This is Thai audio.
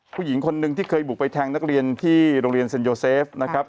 ผู้หญิงคนหนึ่งที่เคยบุกไปแทงนักเรียนที่โรงเรียนเซ็นโยเซฟนะครับ